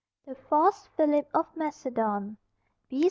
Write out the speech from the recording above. THE FALSE PHILIP OF MACEDON.